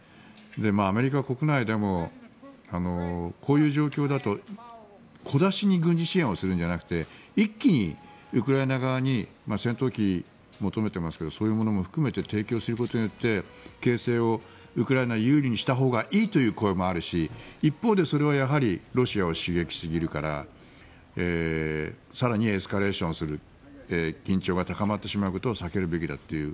アメリカ国内でもこういう状況だと小出しに軍事支援をするんじゃなくて一気にウクライナ側に戦闘機を求めてますがそういうものも含めて提供することによって形勢をウクライナに有利にしたほうがいいという声もあるし一方でそれはやはりロシアを刺激するから更にエスカレーションする緊張が高まることを避けるべきたという。